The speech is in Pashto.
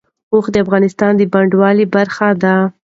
اوښ د افغانستان د بڼوالۍ برخه ده.